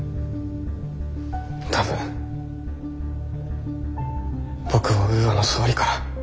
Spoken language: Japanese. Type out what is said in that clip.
多分僕をウーアの総理から。